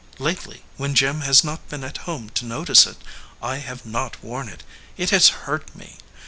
Lately, when Jim has not been at home to notice it, I have not worn it. It has hurt me.